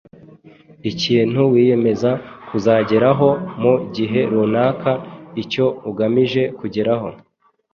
Ikintu wiyemeza kuzageraho mu gihe runaka; Icyo ugamije kugeraho;